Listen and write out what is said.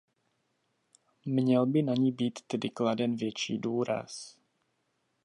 Měl by na ni být tedy kladen větší důraz.